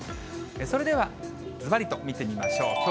それではずらりと見てみましょう。